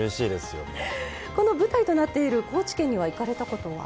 この舞台となっている高知県には行かれたことは？